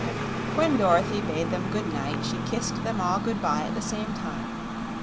When Dorothy bade them good night, she kissed them all good bye at the same time.